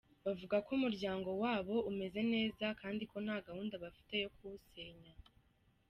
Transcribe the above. Bavuga ko umuryango wabo umeze neza kandi ko nta gahunda bafite yo kuwusenya.